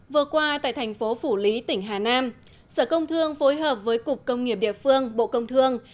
vừa qua tại thành phố phủ lý tỉnh hà nam sở công thương phối hợp với cục công nghiệp địa phương bộ công thương